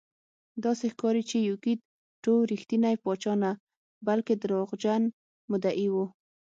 داسې ښکاري چې یوکیت ټو رښتینی پاچا نه بلکې دروغجن مدعي و.